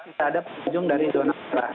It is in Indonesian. kita ada pengunjung dari zona merah